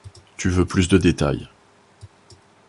Tu veux plus de détails.